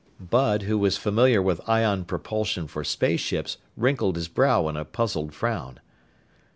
Bud, who was familiar with ion propulsion for spaceships, wrinkled his brow in a puzzled frown.